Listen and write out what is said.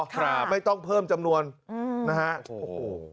ค่ะค่ะไม่ต้องเพิ่มจำนวนนะฮะโอ้โห